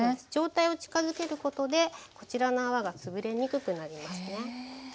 状態を近づけることでこちらの泡がつぶれにくくなりますね。